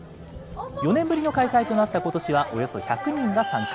４年ぶりの開催となったことしは、およそ１００人が参加。